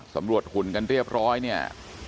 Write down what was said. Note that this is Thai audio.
หุ่นกันเรียบร้อยเนี่ย